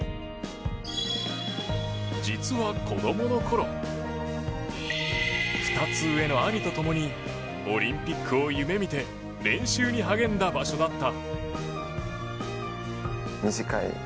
実は子どもの頃２つ上の兄とともにオリンピックを夢見て練習に励んだ場所だった。